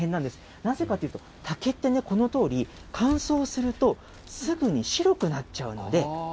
なぜかというと、竹ってね、このとおり、乾燥すると、すぐに白くなっちゃうんで。